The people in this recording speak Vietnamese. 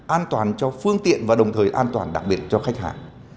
an toàn cho phương tiện và đồng thời an toàn đặc biệt cho khách hàng